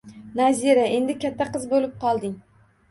Nazira, endi katta qiz bo`lib qolding